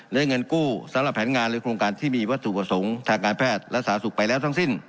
ได้เงินกู้สำหรับแผนงานหรือโครงการที่มีวัตถุประสงค์ทางการแพทย์และสาธารณสุขไปแล้วทั้งสิ้น